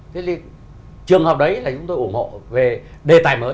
thế thì trường hợp đấy là chúng tôi ủng hộ về đề tài mới